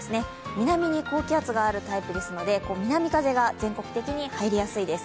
南に高気圧があるタイプですので、南風が全国的に入りやすいです。